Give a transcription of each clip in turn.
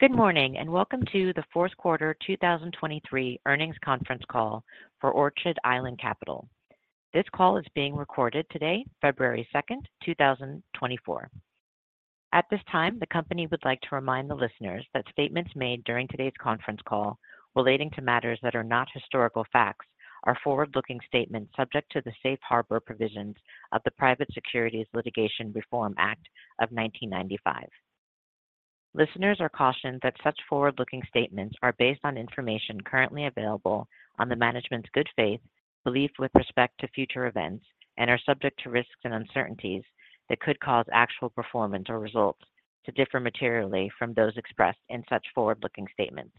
Good morning, and welcome to the Q4 2023 Earnings Conference Call for Orchid Island Capital. This call is being recorded today, February 2, 2024. At this time, the company would like to remind the listeners that statements made during today's conference call relating to matters that are not historical facts are forward-looking statements subject to the Safe Harbor provisions of the Private Securities Litigation Reform Act of 1995. Listeners are cautioned that such forward-looking statements are based on information currently available on the management's good faith belief with respect to future events, and are subject to risks and uncertainties that could cause actual performance or results to differ materially from those expressed in such forward-looking statements.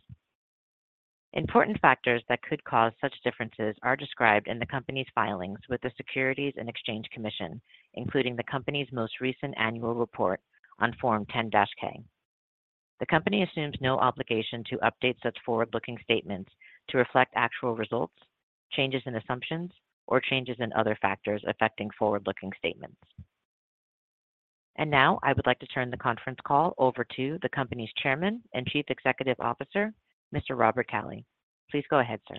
Important factors that could cause such differences are described in the company's filings with the Securities and Exchange Commission, including the company's most recent annual report on Form 10-K. The company assumes no obligation to update such forward-looking statements to reflect actual results, changes in assumptions, or changes in other factors affecting forward-looking statements. And now, I would like to turn the conference call over to the company's Chairman and Chief Executive Officer, Mr. Robert Cauley. Please go ahead, sir.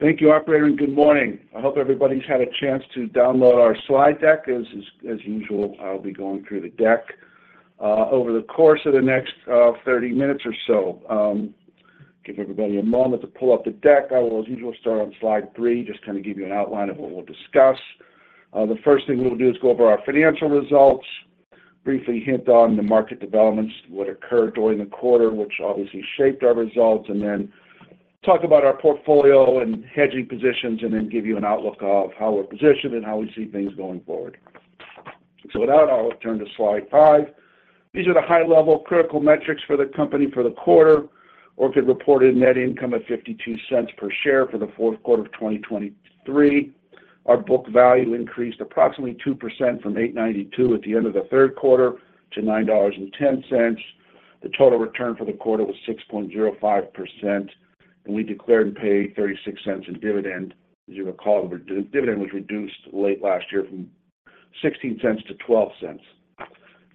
Thank you, operator, and good morning. I hope everybody's had a chance to download our slide deck. As usual, I'll be going through the deck over the course of the next 30 minutes or so. Give everybody a moment to pull up the deck. I will, as usual, start on slide 3, just to kind of give you an outline of what we'll discuss. The first thing we'll do is go over our financial results, briefly hint on the market developments, what occurred during the quarter, which obviously shaped our results, and then talk about our portfolio and hedging positions, and then give you an outlook of how we're positioned and how we see things going forward. So with that, I'll turn to slide 5. These are the high-level critical metrics for the company for the quarter. Orchid reported net income of $0.52 per share for the Q4 of 2023. Our book value increased approximately 2% from $8.92 at the end of the Q3 to $9.10. The total return for the quarter was 6.05%, and we declared and paid $0.36 in dividend. As you recall, the dividend was reduced late last year from $0.16 to $0.12.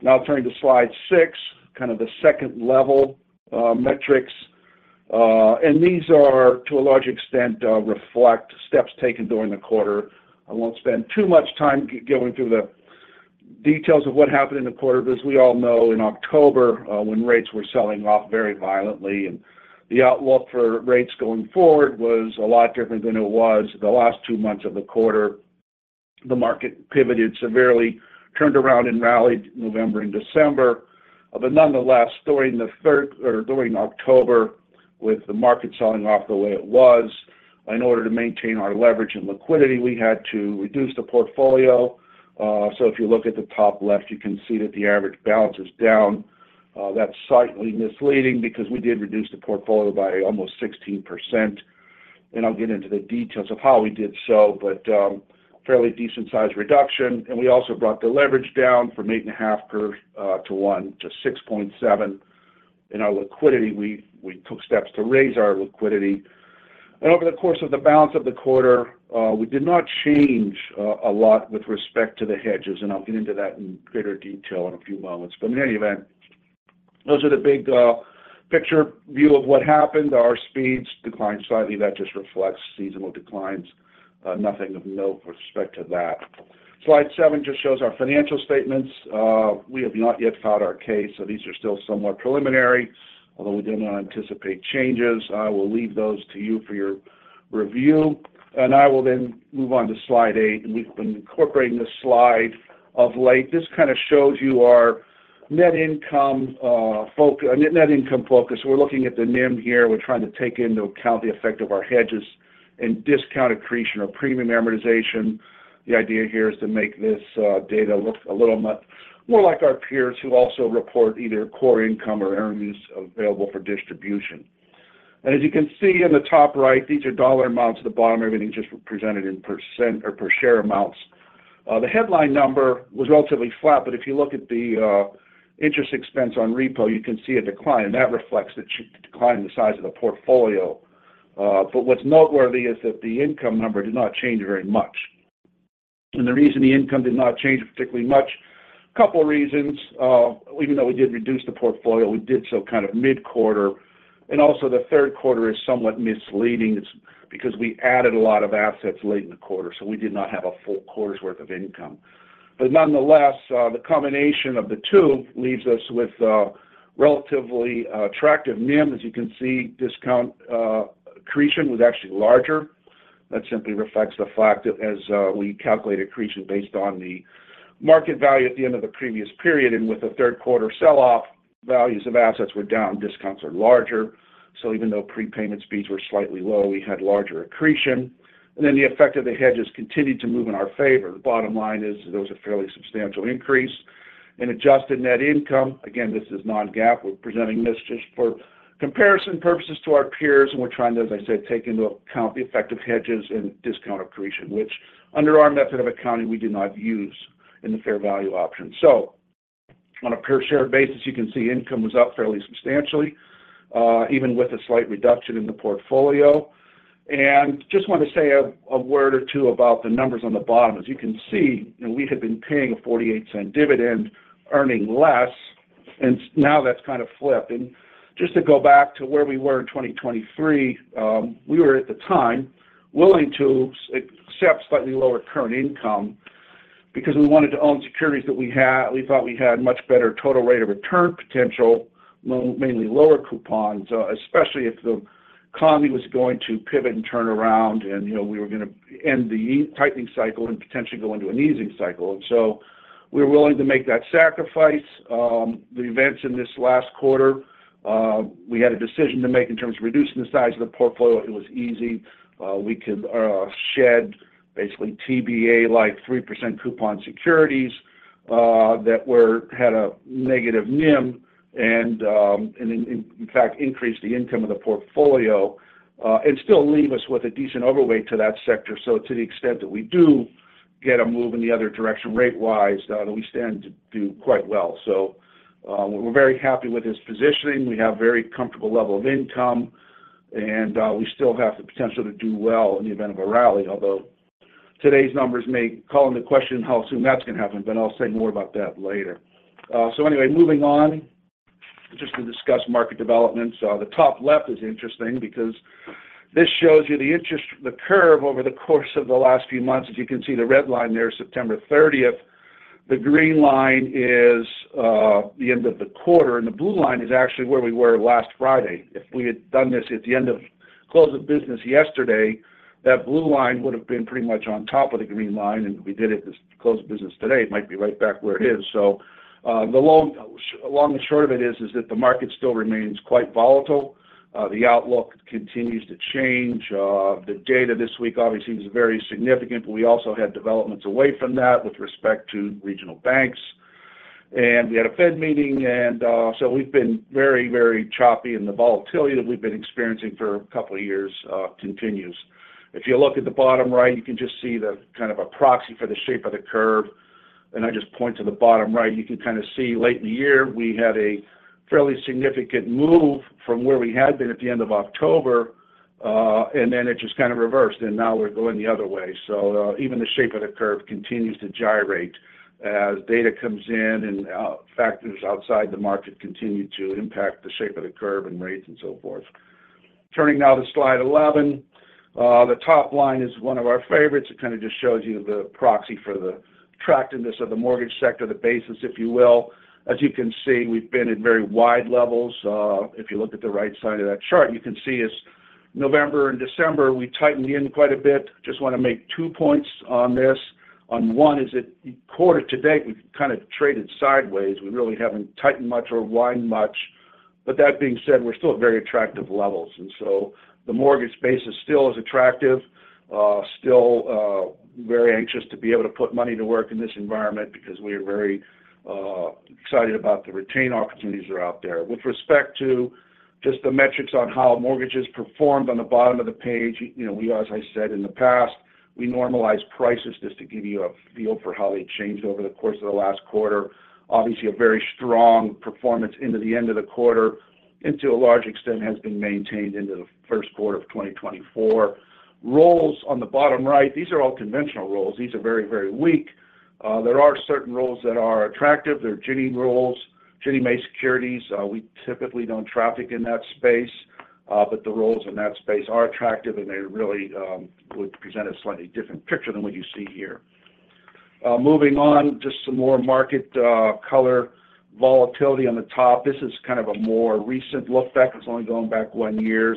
Now turning to slide six, kind of the second level metrics. These are to a large extent reflect steps taken during the quarter. I won't spend too much time going through the details of what happened in the quarter. But as we all know, in October, when rates were selling off very violently and the outlook for rates going forward was a lot different than it was the last two months of the quarter, the market pivoted severely, turned around and rallied November and December. But nonetheless, during October, with the market selling off the way it was, in order to maintain our leverage and liquidity, we had to reduce the portfolio. So if you look at the top left, you can see that the average balance is down. That's slightly misleading because we did reduce the portfolio by almost 16%, and I'll get into the details of how we did so, but, fairly decent size reduction. And we also brought the leverage down from 8.5 to 1 to 6.7. In our liquidity, we took steps to raise our liquidity. And over the course of the balance of the quarter, we did not change a lot with respect to the hedges, and I'll get into that in greater detail in a few moments. But in any event, those are the big picture view of what happened. Our speeds declined slightly. That just reflects seasonal declines, nothing of note with respect to that. Slide seven just shows our financial statements. We have not yet filed our 10-K, so these are still somewhat preliminary, although we do not anticipate changes. I will leave those to you for your review, and I will then move on to slide eight. And we've been incorporating this slide of late. This kind of shows you our net income focus. We're looking at the NIM here. We're trying to take into account the effect of our hedges and discount accretion or premium amortization. The idea here is to make this data look a little much more like our peers, who also report either core income or earnings available for distribution. And as you can see in the top right, these are dollar amounts. At the bottom, everything just presented in % or per share amounts. The headline number was relatively flat, but if you look at the interest expense on repo, you can see a decline, and that reflects the decline in the size of the portfolio. But what's noteworthy is that the income number did not change very much. And the reason the income did not change particularly much, a couple reasons. Even though we did reduce the portfolio, we did so kind of mid-quarter. And also, the Q3 is somewhat misleading. It's because we added a lot of assets late in the quarter, so we did not have a full quarter's worth of income. But nonetheless, the combination of the two leaves us with a relatively, attractive NIM. As you can see, discount accretion was actually larger. That simply reflects the fact that as we calculate accretion based on the market value at the end of the previous period, and with the Q3 sell-off, values of assets were down, discounts are larger. So even though prepayment speeds were slightly low, we had larger accretion, and then the effect of the hedges continued to move in our favor. The bottom line is there was a fairly substantial increase in adjusted net income. Again, this is non-GAAP. We're presenting this just for comparison purposes to our peers, and we're trying to, as I said, take into account the effect of hedges and discount accretion, which under our method of accounting, we do not use in the fair value option. So on a per-share basis, you can see income was up fairly substantially, even with a slight reduction in the portfolio. Just want to say a word or two about the numbers on the bottom. As you can see, and we have been paying a $0.48 dividend, earning less, and now that's kind of flipped. Just to go back to where we were in 2023, we were at the time willing to accept slightly lower current income because we wanted to own securities that we thought we had much better total rate of return potential, mainly lower coupons, especially if the economy was going to pivot and turn around and, you know, we were gonna end the tightening cycle and potentially go into an easing cycle. And so we were willing to make that sacrifice. The events in this last quarter, we had a decision to make in terms of reducing the size of the portfolio. It was easy. We could shed basically TBA, like 3% coupon securities that had a negative NIM and, in fact, increased the income of the portfolio and still leave us with a decent overweight to that sector. So to the extent that we do get a move in the other direction, rate-wise, we stand to do quite well. So, we're very happy with this positioning. We have very comfortable level of income, and we still have the potential to do well in the event of a rally. Although, today's numbers may call into question how soon that's going to happen, but I'll say more about that later. So anyway, moving on just to discuss market developments. The top left is interesting because this shows you the interest, the curve over the course of the last few months. As you can see, the red line there, September thirtieth, the green line is the end of the quarter, and the blue line is actually where we were last Friday. If we had done this at the end of close of business yesterday, that blue line would have been pretty much on top of the green line, and if we did it this close of business today, it might be right back where it is. So, the long and short of it is that the market still remains quite volatile. The outlook continues to change. The data this week obviously is very significant, but we also had developments away from that with respect to regional banks. And we had a Fed meeting, and, so we've been very, very choppy, and the volatility that we've been experiencing for a couple of years continues. If you look at the bottom right, you can just see the kind of a proxy for the shape of the curve. And I just point to the bottom right, you can kind of see late in the year, we had a fairly significant move from where we had been at the end of October, and then it just kind of reversed, and now we're going the other way. So, even the shape of the curve continues to gyrate as data comes in and, factors outside the market continue to impact the shape of the curve and rates and so forth. Turning now to slide 11, the top line is one of our favorites. It kind of just shows you the proxy for the attractiveness of the mortgage sector, the basis, if you will. As you can see, we've been at very wide levels. If you look at the right side of that chart, you can see as November and December, we tightened in quite a bit. Just want to make two points on this. One is that quarter to date, we've kind of traded sideways. We really haven't tightened much or widened much, but that being said, we're still at very attractive levels, and so the mortgage space is still as attractive, still very anxious to be able to put money to work in this environment because we are very excited about the retain opportunities that are out there. With respect to just the metrics on how mortgages performed on the bottom of the page, you know, we, as I said in the past, we normalize prices just to give you a feel for how they changed over the course of the last quarter. Obviously, a very strong performance into the end of the quarter, and to a large extent, has been maintained into the Q1 of 2024. Rolls on the bottom right, these are all conventional rolls. These are very, very weak. There are certain rolls that are attractive. There are GNMA rolls, GNMA securities. We typically don't traffic in that space, but the rolls in that space are attractive, and they really would present a slightly different picture than what you see here. Moving on, just some more market color volatility on the top. This is kind of a more recent look back. It's only going back one year.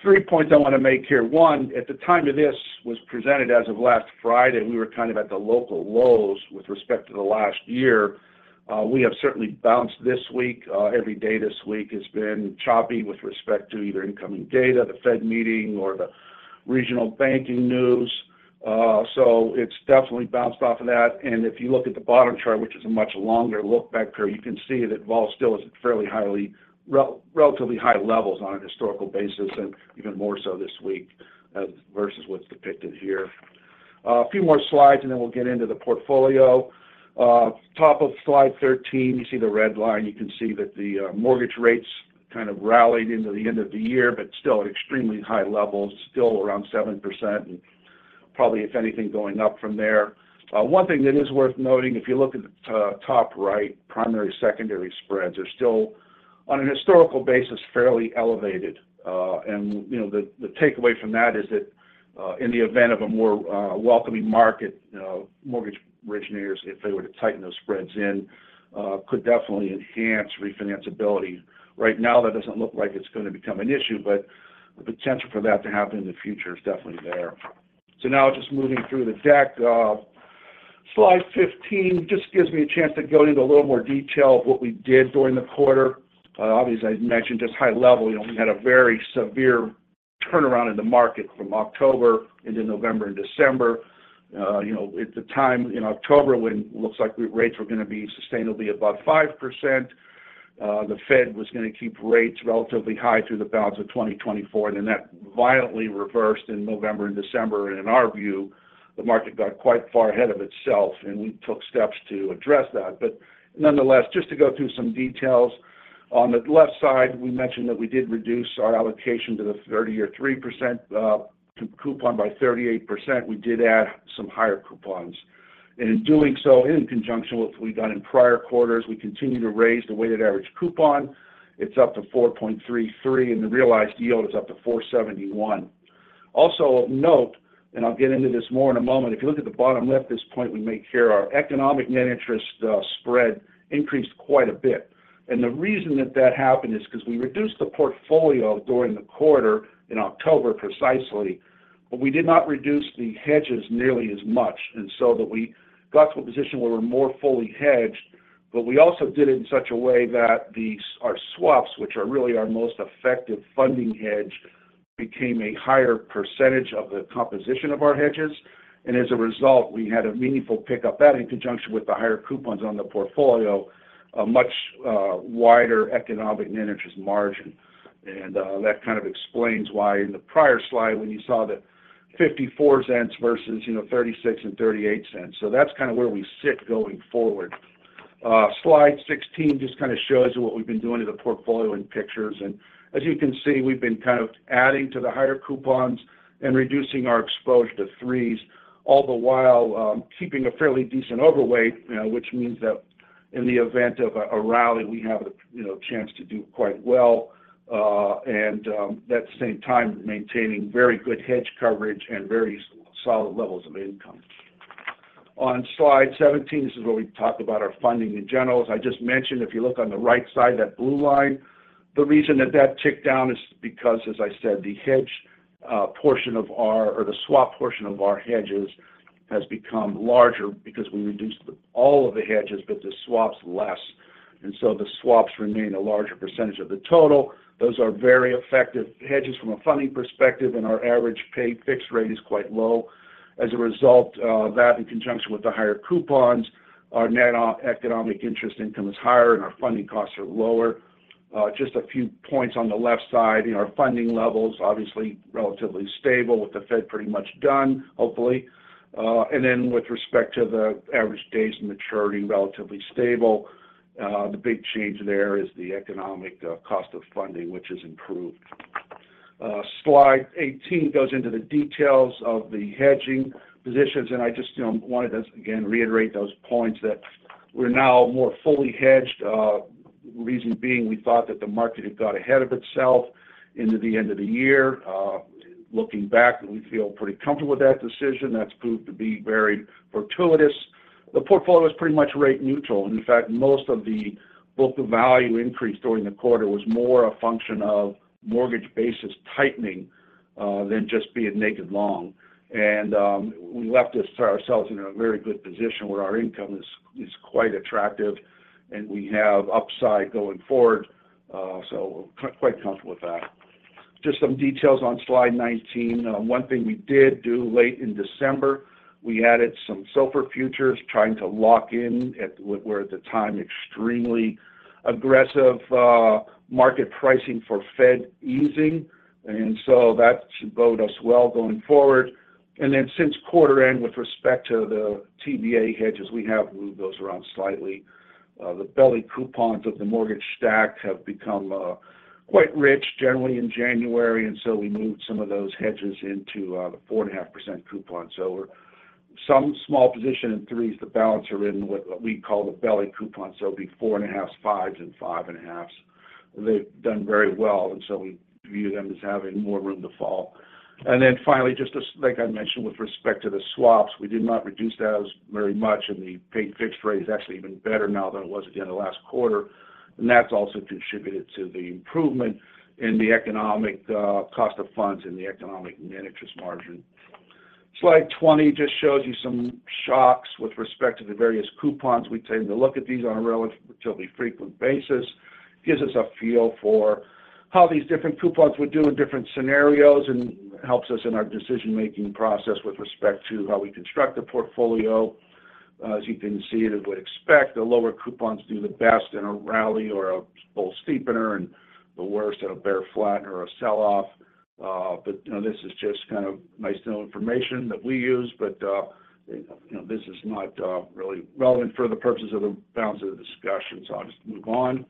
Three points I want to make here: one, at the time that this was presented as of last Friday, we were kind of at the local lows with respect to the last year. We have certainly bounced this week. Every day this week has been choppy with respect to either incoming data, the Fed meeting, or the regional banking news. So it's definitely bounced off of that. If you look at the bottom chart, which is a much longer look back here, you can see that vol still is fairly high, relatively high levels on a historical basis and even more so this week, versus what's depicted here. A few more slides, and then we'll get into the portfolio. Top of slide 13, you see the red line. You can see that the mortgage rates kind of rallied into the end of the year, but still at extremely high levels, still around 7%, and probably, if anything, going up from there. One thing that is worth noting, if you look at the top right, primary-secondary spreads are still, on a historical basis, fairly elevated. And, you know, the takeaway from that is that, in the event of a more welcoming market, mortgage originators, if they were to tighten those spreads in, could definitely enhance refinanceability. Right now, that doesn't look like it's going to become an issue, but the potential for that to happen in the future is definitely there. So now just moving through the deck, slide 15 just gives me a chance to go into a little more detail of what we did during the quarter. Obviously, I mentioned just high level, you know, we had a very severe turnaround in the market from October into November and December. You know, at the time in October, when it looks like we-- rates were going to be sustainably above 5%, the Fed was going to keep rates relatively high through the balance of 2024, and then that violently reversed in November and December. And in our view, the market got quite far ahead of itself, and we took steps to address that. But nonetheless, just to go through some details. On the left side, we mentioned that we did reduce our allocation to the 30-year 3% coupon by 38%. We did add some higher coupons. And in doing so, in conjunction with what we've done in prior quarters, we continue to raise the weighted average coupon. It's up to 4.33, and the realized yield is up to 4.71. Also of note, and I'll get into this more in a moment, if you look at the bottom left, this point we make here, our economic net interest spread increased quite a bit. And the reason that that happened is 'cause we reduced the portfolio during the quarter in October precisely, but we did not reduce the hedges nearly as much. And so that we got to a position where we're more fully hedged, but we also did it in such a way that these, our swaps, which are really our most effective funding hedge, became a higher percentage of the composition of our hedges. As a result, we had a meaningful pick up. That in conjunction with the higher coupons on the portfolio, a much wider economic net interest margin. And that kind of explains why in the prior slide, when you saw the $0.54 versus, you know, $0.36 and $0.38. So that's kind of where we sit going forward. Slide 16 just kind of shows you what we've been doing to the portfolio in pictures. And as you can see, we've been kind of adding to the higher coupons and reducing our exposure to threes, all the while keeping a fairly decent overweight, which means that in the event of a rally, we have the, you know, chance to do quite well, and at the same time, maintaining very good hedge coverage and very solid levels of income. On slide 17, this is where we talk about our funding in general. As I just mentioned, if you look on the right side, that blue line, the reason that that ticked down is because, as I said, the hedge portion of our or the swap portion of our hedges has become larger because we reduced all of the hedges, but the swaps less. And so the swaps remain a larger percentage of the total. Those are very effective hedges from a funding perspective, and our average paid fixed rate is quite low. As a result, that in conjunction with the higher coupons, our net economic interest income is higher and our funding costs are lower. Just a few points on the left side, you know, our funding levels, obviously, relatively stable with the Fed pretty much done, hopefully. And then with respect to the average days maturity, relatively stable. The big change there is the economic cost of funding, which is improved. Slide 18 goes into the details of the hedging positions, and I just, you know, wanted to again reiterate those points that we're now more fully hedged. Reason being, we thought that the market had got ahead of itself into the end of the year. Looking back, we feel pretty comfortable with that decision. That's proved to be very fortuitous. The portfolio is pretty much rate neutral. In fact, most of the book value increase during the quarter was more a function of mortgage basis tightening than just being naked long. We left ourselves in a very good position where our income is quite attractive, and we have upside going forward, so quite comfortable with that. Just some details on slide 19. One thing we did do late in December, we added some SOFR futures, trying to lock in at what were, at the time, extremely aggressive market pricing for Fed easing, and so that should bode us well going forward. And then since quarter end, with respect to the TBA hedges, we have moved those around slightly. The belly coupons of the mortgage stack have become quite rich generally in January, and so we moved some of those hedges into the 4.5% coupon. So some small position in 3s, the balance are in what we call the belly coupon, so it'll be 4.5s, 5s, and 5.5s. They've done very well, and so we view them as having more room to fall. And then finally, just as—like I mentioned, with respect to the swaps, we did not reduce those very much, and the paid fixed rate is actually even better now than it was at the end of last quarter. And that's also contributed to the improvement in the economic, cost of funds and the economic net interest margin. Slide 20 just shows you some shocks with respect to the various coupons. We tend to look at these on a relatively frequent basis. Gives us a feel for how these different coupons would do in different scenarios and helps us in our decision-making process with respect to how we construct the portfolio. As you can see, as we'd expect, the lower coupons do the best in a rally or a bull steepener, and the worst at a bear flat or a sell-off. But, you know, this is just kind of nice to know information that we use, but, you know, this is not really relevant for the purposes of the balance of the discussion, so I'll just move on.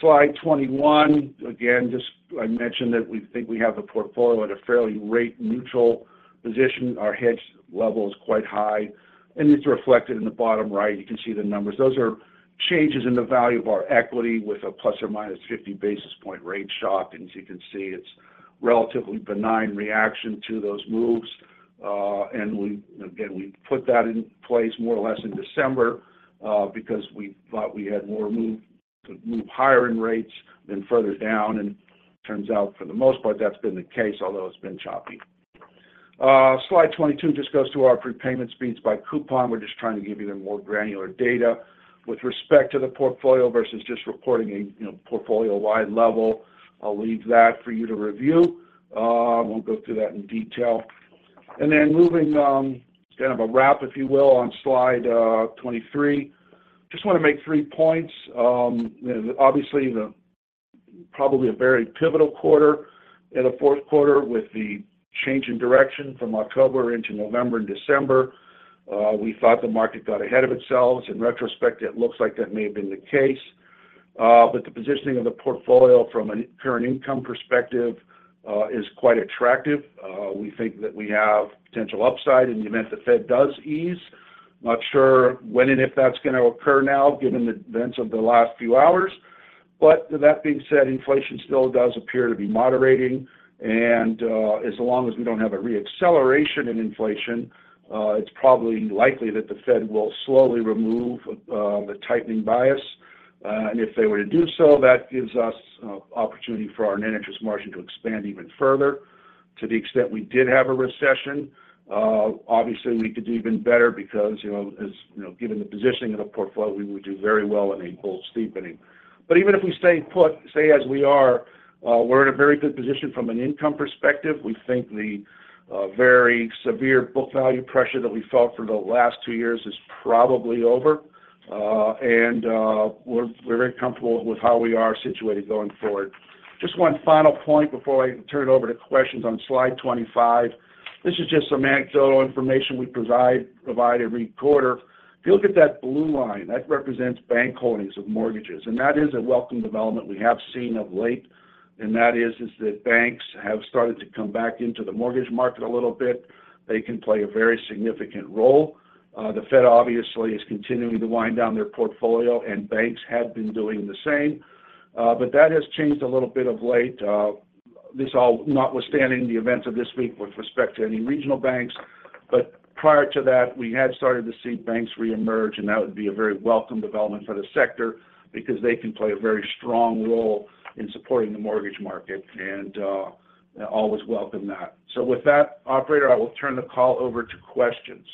Slide 21, again, just I mentioned that we think we have the portfolio at a fairly rate-neutral position. Our hedge level is quite high, and it's reflected in the bottom right. You can see the numbers. Those are changes in the value of our equity with a ±50 basis point rate shock. And as you can see, it's relatively benign reaction to those moves. And we again, we put that in place more or less in December, because we thought we had more room to move higher in rates than further down, and turns out, for the most part, that's been the case, although it's been choppy. Slide 22 just goes to our prepayment speeds by coupon. We're just trying to give you the more granular data with respect to the portfolio versus just reporting a, you know, portfolio-wide level. I'll leave that for you to review. I won't go through that in detail. And then moving, kind of a wrap, if you will, on slide, 23. Just want to make 3 points. Obviously, the-... Probably a very pivotal quarter in the Q4, with the change in direction from October into November and December. We thought the market got ahead of itself. In retrospect, it looks like that may have been the case, but the positioning of the portfolio from a current income perspective is quite attractive. We think that we have potential upside in the event the Fed does ease. Not sure when and if that's going to occur now, given the events of the last few hours. But that being said, inflation still does appear to be moderating, and as long as we don't have a re-acceleration in inflation, it's probably likely that the Fed will slowly remove the tightening bias. And if they were to do so, that gives us opportunity for our net interest margin to expand even further. To the extent we did have a recession, obviously, we could do even better because, you know, as, you know, given the positioning of the portfolio, we would do very well in a full steepening. But even if we stay put, stay as we are, we're in a very good position from an income perspective. We think the very severe book value pressure that we felt for the last two years is probably over, and, we're, we're very comfortable with how we are situated going forward. Just one final point before I turn it over to questions on slide 25. This is just some anecdotal information we provide, provide every quarter. If you look at that blue line, that represents bank holdings of mortgages, and that is a welcome development we have seen of late, and that is that banks have started to come back into the mortgage market a little bit. They can play a very significant role. The Fed obviously is continuing to wind down their portfolio, and banks have been doing the same, but that has changed a little bit of late. This all notwithstanding the events of this week with respect to any regional banks, but prior to that, we had started to see banks reemerge, and that would be a very welcome development for the sector because they can play a very strong role in supporting the mortgage market, and always welcome that. So with that, operator, I will turn the call over to questions.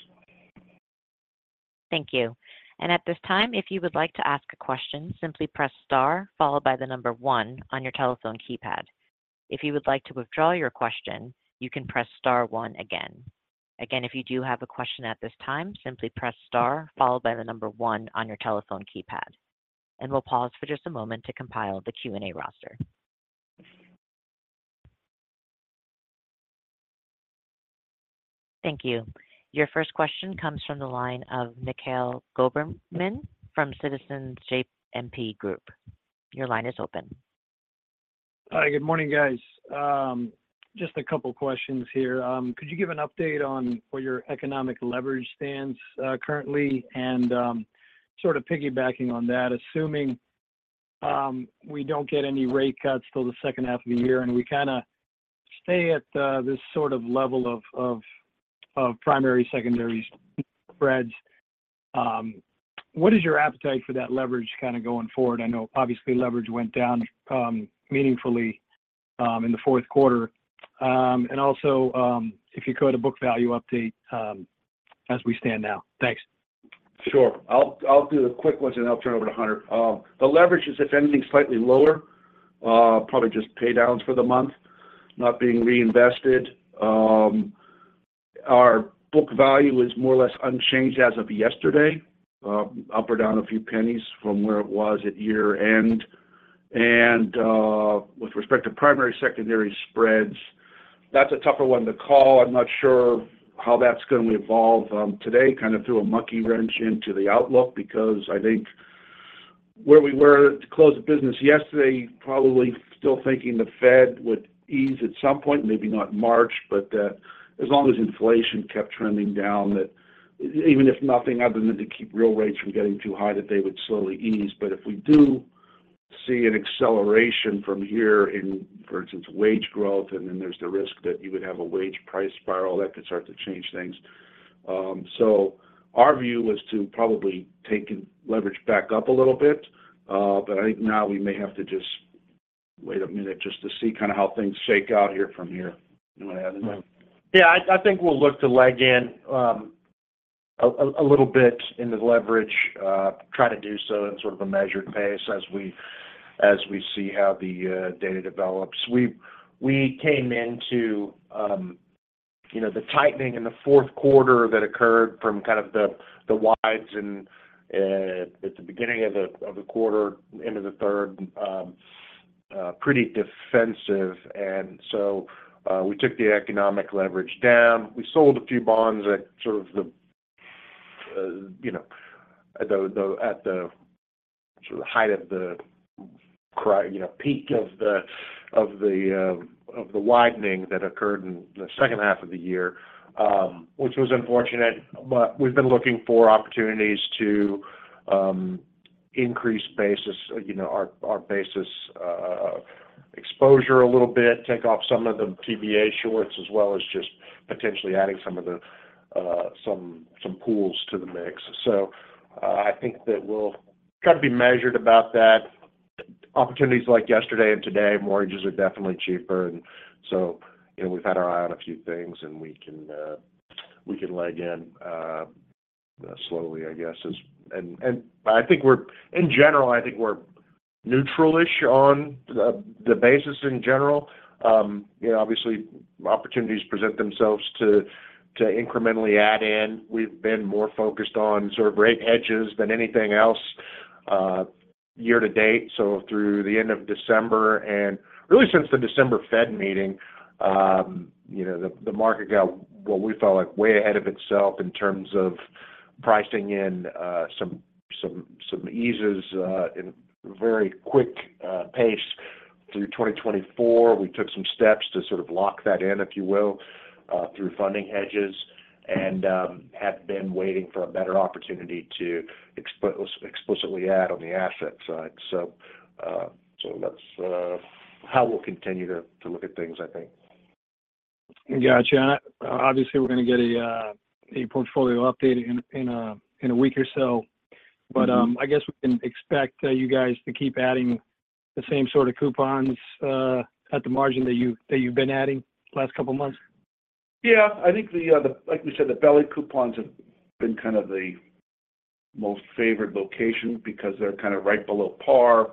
Thank you. At this time, if you would like to ask a question, simply press star, followed by the number one on your telephone keypad. If you would like to withdraw your question, you can press star one again. Again, if you do have a question at this time, simply press star, followed by the number one on your telephone keypad, and we'll pause for just a moment to compile the Q&A roster. Thank you. Your first question comes from the line of Mikhail Goberman from Citizens JMP Group. Your line is open. Hi, good morning, guys. Just a couple questions here. Could you give an update on where your economic leverage stands, currently? And, sort of piggybacking on that, assuming we don't get any rate cuts till the second half of the year, and we kind of stay at this sort of level of primary-secondary spreads, what is your appetite for that leverage kind of going forward? I know obviously leverage went down meaningfully in the Q4. And also, if you could, a book value update as we stand now. Thanks. Sure. I'll do the quick ones, and I'll turn it over to Hunter. The leverage is, if anything, slightly lower, probably just pay downs for the month, not being reinvested. Our book value is more or less unchanged as of yesterday, up or down a few pennies from where it was at year-end. With respect to primary-secondary spreads, that's a tougher one to call. I'm not sure how that's going to evolve. Today kind of threw a monkey wrench into the outlook because I think where we were to close the business yesterday, probably still thinking the Fed would ease at some point, maybe not March, but, as long as inflation kept trending down, that even if nothing other than to keep real rates from getting too high, that they would slowly ease. But if we do see an acceleration from here in, for instance, wage growth, and then there's the risk that you would have a wage price spiral, that could start to change things. So our view was to probably take leverage back up a little bit, but I think now we may have to just wait a minute just to see kind of how things shake out here from here. You want to add anything? No. Yeah, I think we'll look to leg in a little bit into leverage, try to do so in sort of a measured pace as we see how the data develops. We came into, you know, the tightening in the Q4 that occurred from kind of the wides and at the beginning of the quarter, end of the third, pretty defensive. And so, we took the economic leverage down. We sold a few bonds at sort of the, you know, at the sort of height of the—you know, peak of the widening that occurred in the second half of the year, which was unfortunate. But we've been looking for opportunities to increase basis, you know, our, our basis exposure a little bit, take off some of the TBA shorts, as well as just potentially adding some of the, some, some pools to the mix. So I think that we'll kind of be measured about that. Opportunities like yesterday and today, mortgages are definitely cheaper, and so, you know, we've had our eye on a few things, and we can, we can leg in slowly, I guess. And I think we're in general, I think we're neutral-ish on the basis in general. You know, obviously, opportunities present themselves to incrementally add in. We've been more focused on sort of rate hedges than anything else year to date. So through the end of December and really since the December Fed meeting, you know, the market got what we felt like way ahead of itself in terms of pricing in some eases in very quick pace through 2024. We took some steps to sort of lock that in, if you will, through funding hedges and have been waiting for a better opportunity to explicitly add on the asset side. So that's how we'll continue to look at things, I think. Gotcha. Obviously, we're gonna get a portfolio update in a week or so I guess we can expect you guys to keep adding the same sort of coupons at the margin that you've been adding last couple of months? Yeah. I think the, like we said, the belly coupons have been kind of the most favorite location because they're kind of right below par.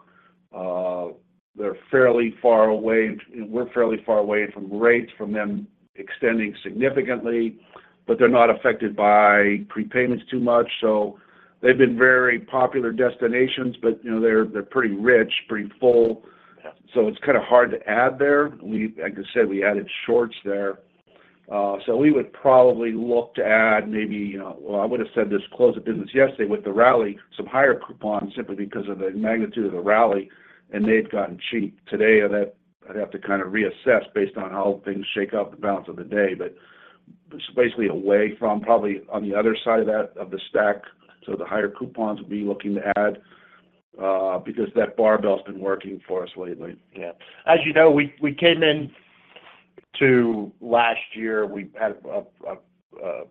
They're fairly far away. We're fairly far away from rates from them extending significantly, but they're not affected by prepayments too much, so they've been very popular destinations, but, you know, they're, they're pretty rich, pretty full. Yeah. So it's kind of hard to add there. We like I said, we added shorts there. So we would probably look to add maybe, you know well, I would have said this close of business yesterday with the rally, some higher coupons simply because of the magnitude of the rally, and they've gotten cheap. Today, I'd have, I'd have to kind of reassess based on how things shake out the balance of the day, but basically away from probably on the other side of that, of the stack. So the higher coupons would be looking to add, because that barbell's been working for us lately. Yeah. As you know, we came in to last year, we had a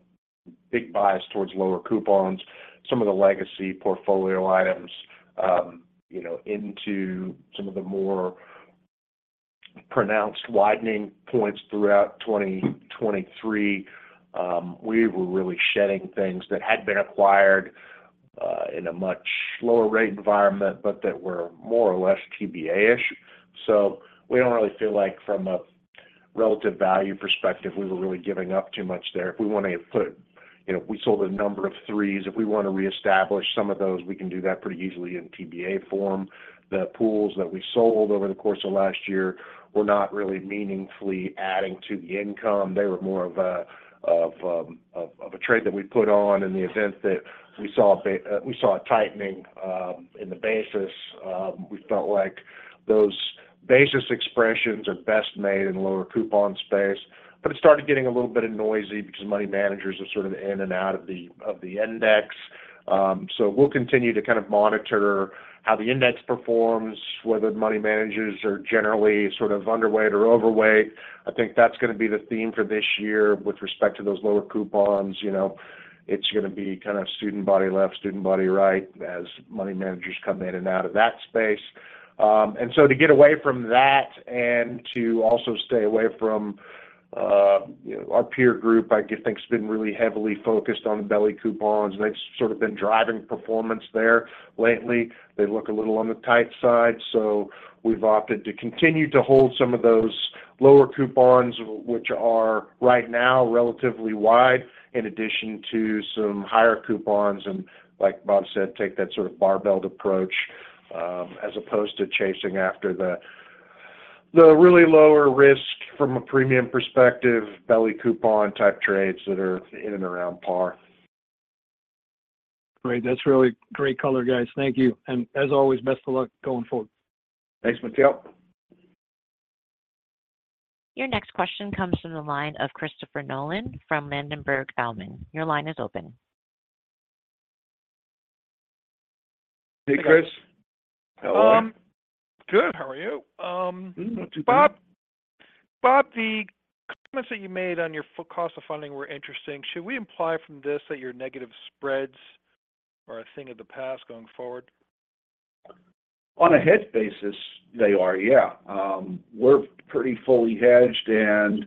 big bias towards lower coupons. Some of the legacy portfolio items, you know, into some of the more pronounced widening points throughout 2023. We were really shedding things that had been acquired in a much lower rate environment, but that were more or less TBA-ish. So we don't really feel like from a relative value perspective, we were really giving up too much there. If we want to put—you know, we sold a number of threes. If we want to reestablish some of those, we can do that pretty easily in TBA form. The pools that we sold over the course of last year were not really meaningfully adding to the income. They were more of a trade that we put on in the event that we saw a tightening in the basis. We felt like those basis expressions are best made in lower coupon space, but it started getting a little bit noisy because money managers are sort of in and out of the index. So we'll continue to kind of monitor how the index performs, whether money managers are generally sort of underweight or overweight. I think that's going to be the theme for this year with respect to those lower coupons. You know, it's going to be kind of student body left, student body right, as money managers come in and out of that space. And so to get away from that and to also stay away from, you know, our peer group, I think's been really heavily focused on the belly coupons, and they've sort of been driving performance there lately. They look a little on the tight side, so we've opted to continue to hold some of those lower coupons, which are right now relatively wide, in addition to some higher coupons, and like Bob said, take that sort of barbell approach, as opposed to chasing after the really lower risk from a premium perspective, belly coupon type trades that are in and around par. Great. That's really great color, guys. Thank you. As always, best of luck going forward. Thanks, Mateo. Your next question comes from the line of Christopher Nolan from Ladenburg Thalmann. Your line is open. Hey, Chris. How are you? Good. How are you? Not too bad. Bob, Bob, the comments that you made on your cost of funding were interesting. Should we imply from this that your negative spreads are a thing of the past going forward? On a hedge basis, they are, yeah. We're pretty fully hedged and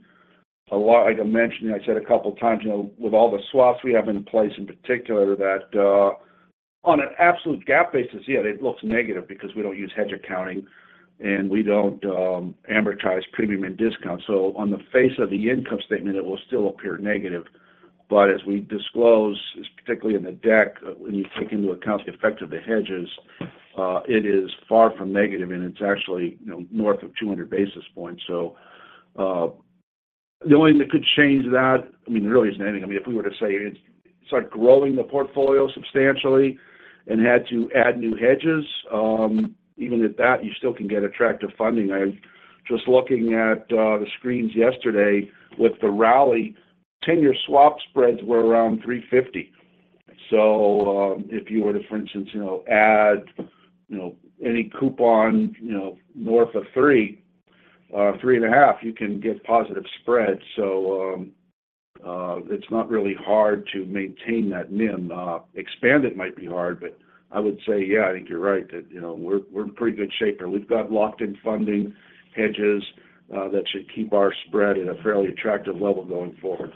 a lot—like I mentioned, I said a couple of times, you know, with all the swaps we have in place, in particular, that, on an absolute gap basis, yeah, it looks negative because we don't use hedge accounting and we don't amortize premium and discount. So on the face of the income statement, it will still appear negative. But as we disclose, particularly in the deck, when you take into account the effect of the hedges, it is far from negative, and it's actually, you know, north of 200 basis points. So, the only thing that could change that, I mean, there really isn't anything. I mean, if we were to say, start growing the portfolio substantially and had to add new hedges, even at that, you still can get attractive funding. I'm just looking at the screens yesterday with the rally, ten-year swap spreads were around 350. So, if you were to, for instance, you know, add, you know, any coupon, you know, north of 3, 3.5, you can get positive spreads. So, it's not really hard to maintain that NIM. Expand it might be hard, but I would say, yeah, I think you're right, that, you know, we're, we're in pretty good shape here. We've got locked in funding hedges, that should keep our spread at a fairly attractive level going forward.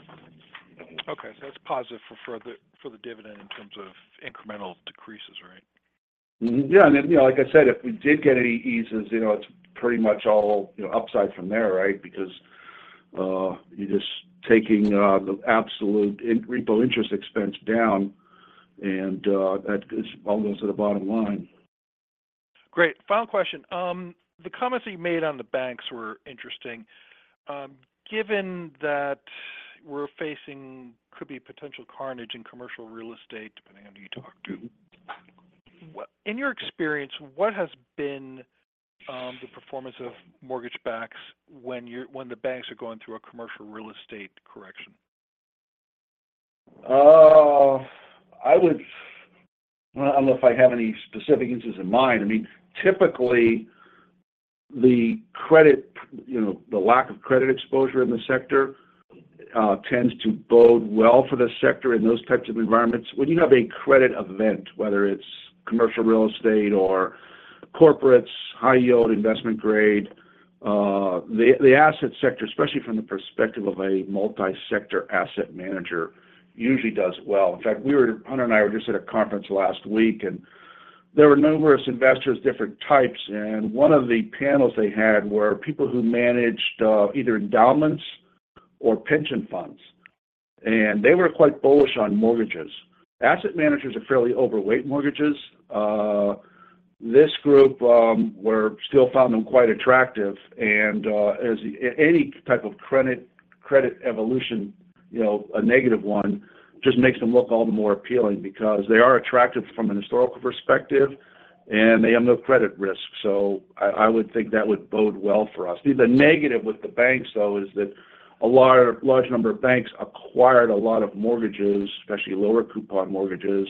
Okay. So that's positive for the dividend in terms of incremental decreases, right? Yeah, and then, you know, like I said, if we did get any eases, you know, it's pretty much all, you know, upside from there, right? Because, you're just taking the absolute repo interest expense down, and that is all goes to the bottom line. Great. Final question. The comments that you made on the banks were interesting. Given that we're facing could be potential carnage in commercial real estate, depending on who you talk to, what in your experience has been the performance of mortgage banks when the banks are going through a commercial real estate correction? I would, I don't know if I have any specific instances in mind. I mean, typically, the credit, you know, the lack of credit exposure in the sector, tends to bode well for the sector in those types of environments. When you have a credit event, whether it's commercial real estate or corporates, high yield, investment grade, the asset sector, especially from the perspective of a multi-sector asset manager, usually does well. In fact, we were Hunter and I were just at a conference last week, and there were numerous investors, different types, and one of the panels they had were people who managed either endowments or pension funds, and they were quite bullish on mortgages. Asset managers are fairly overweight mortgages. This group still found them quite attractive, and as any type of credit evolution, you know, a negative one, just makes them look all the more appealing because they are attractive from an historical perspective, and they have no credit risk. So I would think that would bode well for us. The negative with the banks, though, is that a large number of banks acquired a lot of mortgages, especially lower coupon mortgages,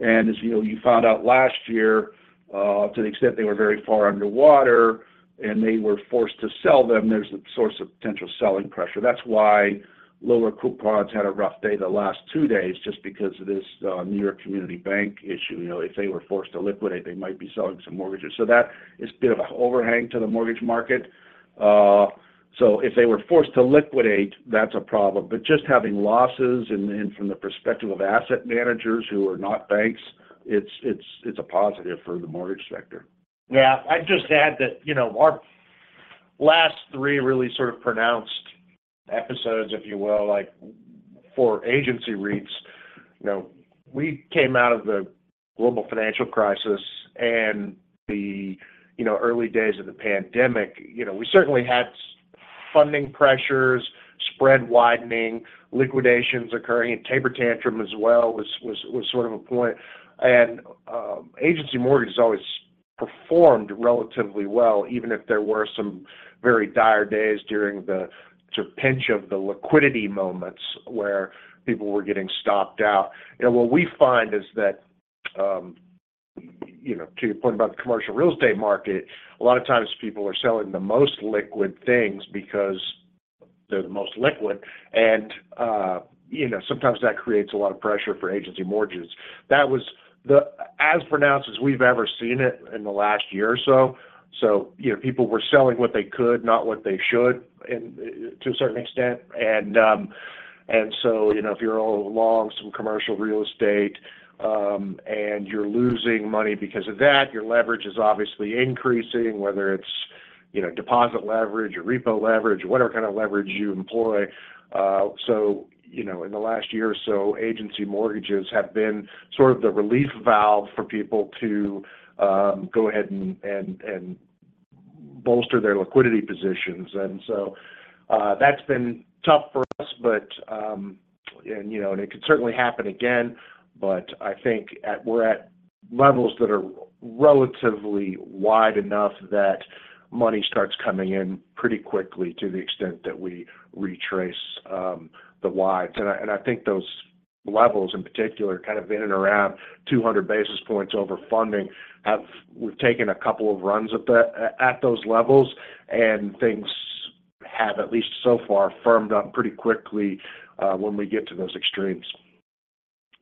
and as you know, you found out last year, to the extent they were very far underwater, and they were forced to sell them, there's a source of potential selling pressure. That's why lower coupons had a rough day the last two days, just because of this, New York Community Bank issue. You know, if they were forced to liquidate, they might be selling some mortgages. So that is a bit of an overhang to the mortgage market. So if they were forced to liquidate, that's a problem. But just having losses and from the perspective of asset managers who are not banks, it's a positive for the mortgage sector. Yeah. I'd just add that, you know, our last three really sort of pronounced episodes, if you will, like for agency REITs, you know, we came out of the global financial crisis and the, you know, early days of the pandemic. You know, we certainly had funding pressures, spread widening, liquidations occurring, and taper tantrum as well was sort of a point. And, agency mortgages always performed relatively well, even if there were some very dire days during the sort of pinch of the liquidity moments, where people were getting stopped out. You know, what we find is that, you know, to your point about the commercial real estate market, a lot of times people are selling the most liquid things because they're the most liquid, and, you know, sometimes that creates a lot of pressure for agency mortgages. That was the most pronounced as we've ever seen it in the last year or so. So, you know, people were selling what they could, not what they should, and to a certain extent. You know, if you're all long some commercial real estate and you're losing money because of that, your leverage is obviously increasing, whether it's, you know, deposit leverage or repo leverage, whatever kind of leverage you employ. So, you know, in the last year or so, agency mortgages have been sort of the relief valve for people to go ahead and bolster their liquidity positions. So, that's been tough for us, but, you know, it could certainly happen again. But I think we're at levels that are relatively wide enough that money starts coming in pretty quickly to the extent that we retrace the wides. And I think those levels in particular, kind of in and around 200 basis points over funding, we've taken a couple of runs at those levels, and things have, at least so far, firmed up pretty quickly when we get to those extremes.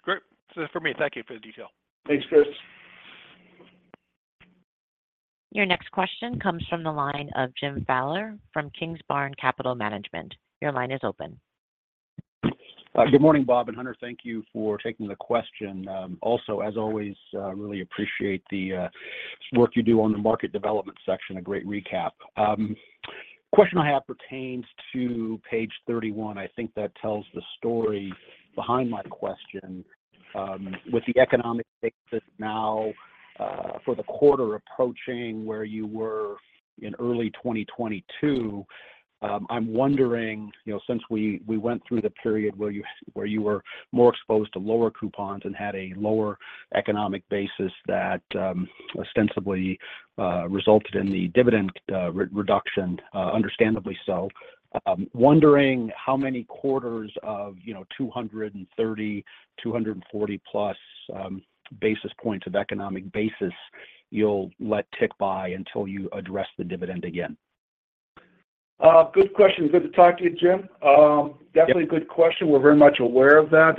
Great. That's it for me. Thank you for the detail. Thanks, Chris. Your next question comes from the line of Jim Fowler from Kingsbarn Capital Management. Your line is open. Good morning, Bob and Hunter. Thank you for taking the question. Also, as always, really appreciate the work you do on the market development section. A great recap. Question I have pertains to page 31. I think that tells the story behind my question. With the economic basis now for the quarter approaching where you were in early 2022, I'm wondering, you know, since we went through the period where you were more exposed to lower coupons and had a lower economic basis that ostensibly resulted in the dividend re-reduction, understandably so. Wondering how many quarters of, you know, 230-240+ basis points of economic basis you'll let tick by until you address the dividend again? Good question. Good to talk to you, Jim. Definitely a good question. Yep. We're very much aware of that,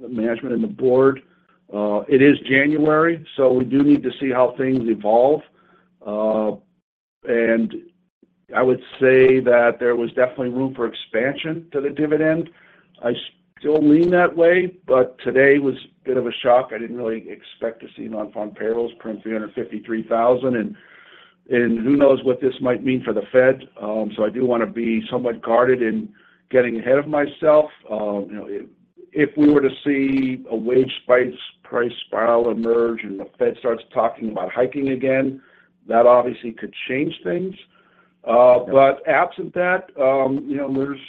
the management and the board. It is January, so we do need to see how things evolve. I would say that there was definitely room for expansion to the dividend. I still lean that way, but today was a bit of a shock. I didn't really expect to see nonfarm payrolls print 353,000, and who knows what this might mean for the Fed? So I do want to be somewhat guarded in getting ahead of myself. You know, if, if we were to see a wage spike, price spiral emerge and the Fed starts talking about hiking again, that obviously could change things. But absent that, you know, there's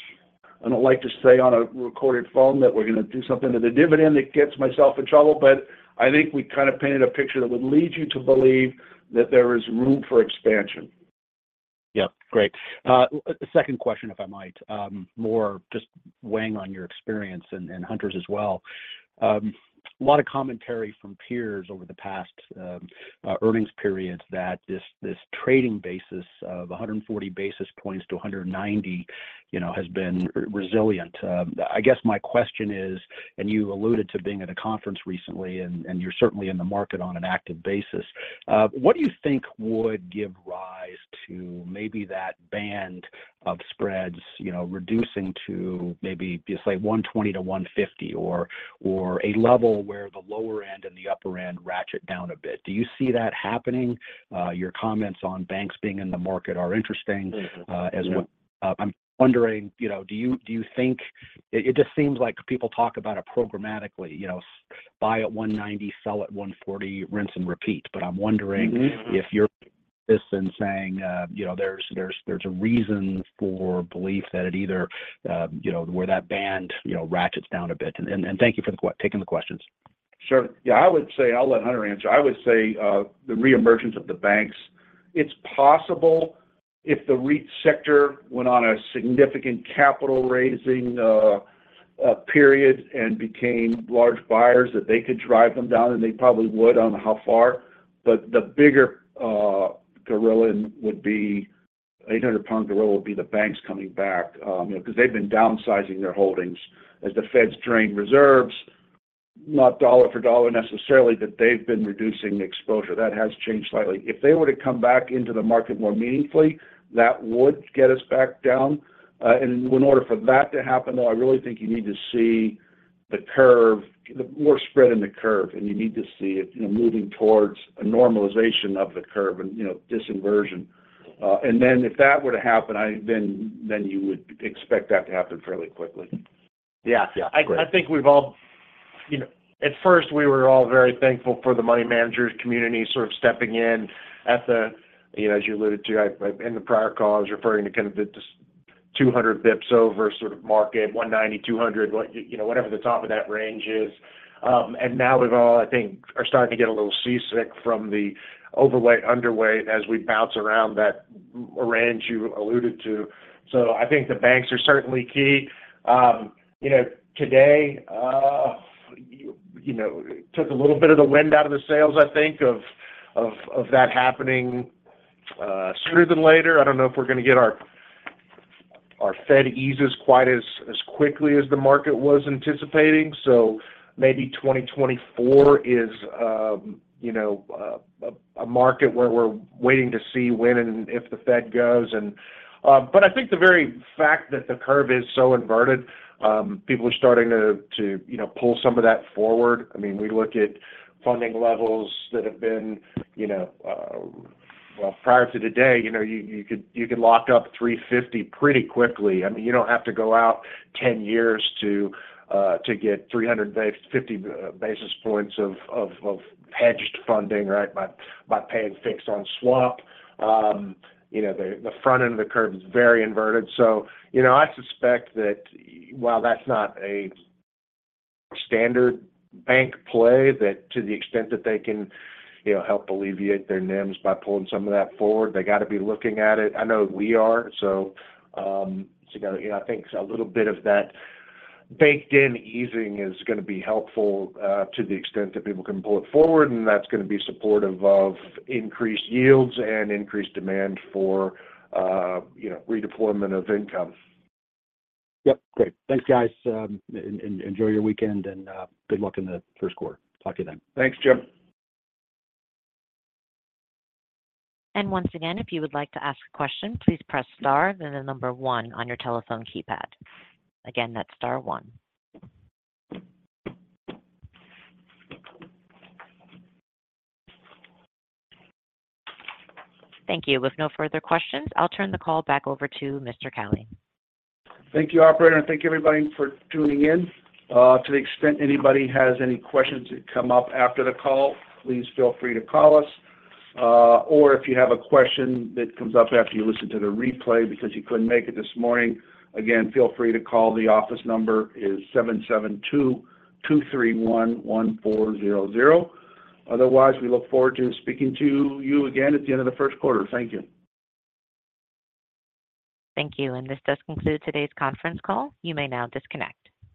I don't like to say on a recorded phone that we're gonna do something to the dividend that gets myself in trouble, but I think we kind of painted a picture that would lead you to believe that there is room for expansion. Yeah. Great. A second question, if I might, more just weighing on your experience and Hunter's as well. A lot of commentary from peers over the past earnings periods that this trading basis of 140-190 basis points, you know, has been resilient. I guess my question is, and you alluded to being at a conference recently, and you're certainly in the market on an active basis. What do you think would give rise to maybe that band of spreads, you know, reducing to maybe just, like, 120-150 or a level where the lower end and the upper end ratchet down a bit? Do you see that happening? Your comments on banks being in the market are interesting. Yeah As well. I'm wondering, you know, do you think it just seems like people talk about it programmatically. You know, buy at 190, sell at 140, rinse and repeat. But I'm wondering if you're this in saying, you know, there's a reason for belief that it either, you know, where that band, you know, ratchets down a bit. Thank you for taking the questions. Sure. Yeah, I would say... I'll let Hunter answer. I would say, the reemergence of the banks. It's possible if the REIT sector went on a significant capital raising period and became large buyers, that they could drive them down, and they probably would, I don't know how far. But the bigger gorilla would be, 800-pound gorilla, would be the banks coming back. You know, 'cause they've been downsizing their holdings as the Feds drain reserves, not dollar for dollar necessarily, but they've been reducing exposure. That has changed slightly. If they were to come back into the market more meaningfully, that would get us back down. In order for that to happen, though, I really think you need to see the curve more spread in the curve, and you need to see it, you know, moving towards a normalization of the curve and, you know, disinversion. Then if that were to happen, then you would expect that to happen fairly quickly. Yeah. Yeah. Great. I think we've all. You know, at first, we were all very thankful for the money managers community sort of stepping in at the. You know, as you alluded to, in the prior call, I was referring to kind of the 200 bps over sort of market, 190-200, what, you know, whatever the top of that range is. And now we've all, I think, are starting to get a little seasick from the overweight, underweight as we bounce around that range you alluded to. So I think the banks are certainly key. You know, today, you know, took a little bit of the wind out of the sails, I think, of that happening sooner than later. I don't know if we're gonna get our Fed eases quite as quickly as the market was anticipating. So maybe 2024 is, you know, a market where we're waiting to see when and if the Fed goes and... But I think the very fact that the curve is so inverted, people are starting to you know, pull some of that forward. I mean, we look at funding levels that have been, you know, well, prior to today, you know, you could lock up 350 pretty quickly. I mean, you don't have to go out 10 years to get 300 basis 50 basis points of hedged funding, right, by paying fixed on swap. You know, the front end of the curve is very inverted. So, you know, I suspect that while that's not a standard bank play, that to the extent that they can, you know, help alleviate their NIMs by pulling some of that forward, they got to be looking at it. I know we are. So, you know, I think a little bit of that baked-in easing is gonna be helpful, to the extent that people can pull it forward, and that's gonna be supportive of increased yields and increased demand for, you know, redeployment of income. Yep. Great. Thanks, guys, and enjoy your weekend, and good luck in the Q1. Talk to you then. Thanks, Jim. Once again, if you would like to ask a question, please press star, then one on your telephone keypad. Again, that's star one. Thank you. With no further questions, I'll turn the call back over to Mr. Cauley. Thank you, operator, and thank you, everybody, for tuning in. To the extent anybody has any questions that come up after the call, please feel free to call us. Or if you have a question that comes up after you listen to the replay because you couldn't make it this morning, again, feel free to call. The office number is 772-231-1400. Otherwise, we look forward to speaking to you again at the end of the Q1. Thank you. Thank you, and this does conclude today's conference call. You may now disconnect.